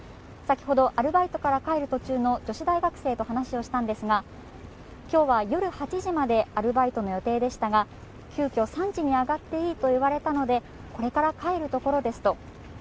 先ほど、アルバイトから帰る途中の女子大学生と話をしたんですが、きょうは夜８時までアルバイトの予定でしたが、急きょ、３時に上がっていいと言われたので、これから帰るところですと。